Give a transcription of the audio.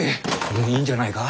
もういいんじゃないか？